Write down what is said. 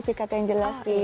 sertifikat yang jelas sih